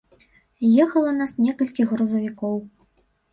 Ехала нас некалькі грузавікоў.